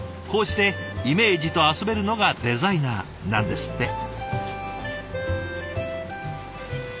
こうしてイメージと遊べるのがデザイナーなんですって。